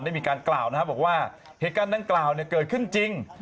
มีการกล่าวนะครับบอกว่าเหตุการณ์ดังกล่าวเกิดขึ้นจริง